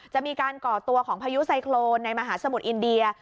จะมีการก่อตัวของพายุไซโครนในมหาสมุทรอินเดีย